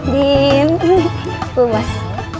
din bu mas